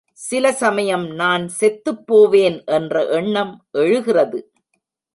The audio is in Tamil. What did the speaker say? சிலசமயம் நான் செத்துப் போவேன் என்ற எண்ணம் எழுகிறது.